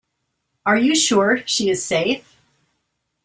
Are you sure she is safe?